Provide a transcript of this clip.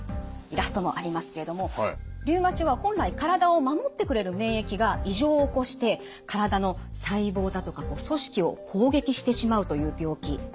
イラストもありますけどもリウマチは本来体を守ってくれる免疫が異常を起こして体の細胞だとか組織を攻撃してしまうという病気なんです。